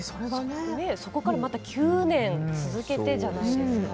そこから、また９年続けてじゃないですか。